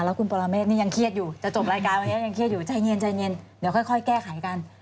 คุณปรเมฆนี่ยังเครียดอยู่จะจบรายการวันนี้ยังเครียดอยู่ใจเย็นใจเย็นเดี๋ยวค่อยแก้ไขกัน